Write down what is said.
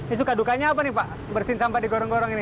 ini suka dukanya apa nih pak bersihin sampah di gorong gorong ini